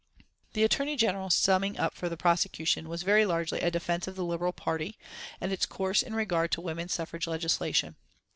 The Attorney General's summing up for the prosecution was very largely a defence of the Liberal Party and its course in regard to woman suffrage legislation.